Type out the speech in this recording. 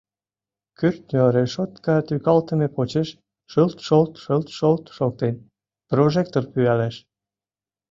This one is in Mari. Кӱртньӧ решотка тӱкалтыме почеш, шылт-шолт, шылт-шолт шоктен, прожектор пӱялеш.